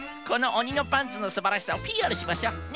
このおにのパンツのすばらしさをＰＲしましょう。